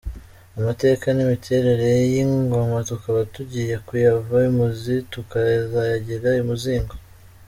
Amateka n’imiterere y’ingoma tukaba tugiye kuyava i muzi tukazayagera i muzingo.